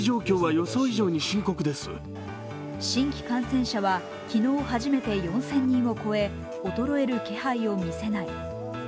新規感染者は昨日初めて４０００人を超え衰える気配を見せない。